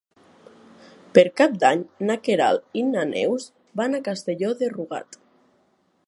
Per Cap d'Any na Queralt i na Neus van a Castelló de Rugat.